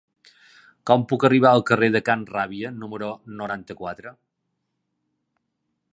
Com puc arribar al carrer de Can Ràbia número noranta-quatre?